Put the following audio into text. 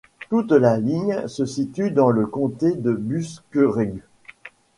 Toute la ligne se situe dans le comté de Buskerud.